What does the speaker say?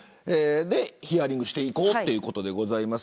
ヒアリングしていこうということです。